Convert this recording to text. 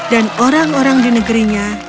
dan orang orang di negerinya